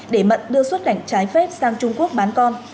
để mận đưa xuất cảnh trái phép sang trung quốc bán con